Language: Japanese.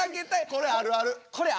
これあるあるやな。